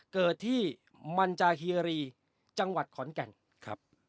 เกิดที่มันจาเฮียรีจังหวัดขอนแก่นครับ